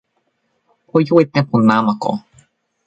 o jo e tenpo namako.